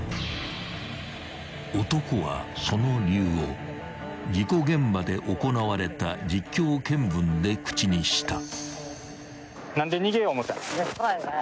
［男はその理由を事故現場で行われた実況見分で口にした］